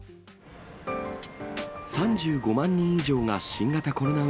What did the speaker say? ３５万人以上が新型コロナウ